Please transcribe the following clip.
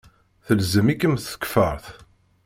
Telzem-ikem tkeffart.